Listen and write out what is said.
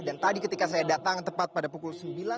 dan tadi ketika saya datang tepat pada pukul tujuh belas